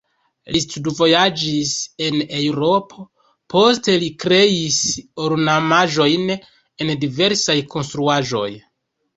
Li studvojaĝis en Eŭropo, poste li kreis ornamaĵojn en diversaj konstruaĵoj.